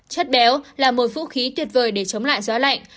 chất béo là một vũ khí tuyệt vời để chống lại gió lạnh